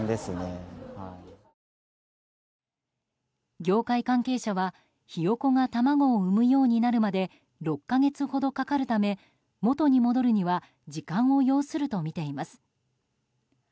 業界関係者はヒヨコが卵を産むようになるまで６か月ほどかかるため元に戻るには時間を要するとみています。